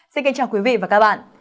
xin kính chào quý vị và các bạn